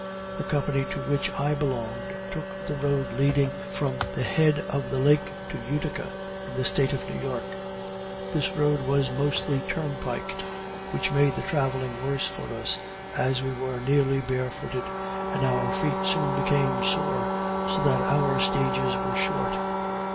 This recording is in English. The company to which I belonged took the road leading from the head of the lake to Utica, in the State of New York. This road was mostly turnpiked, which made the travelling worse for us, as we were nearly barefooted, and our feet soon became sore, so that our stages were short.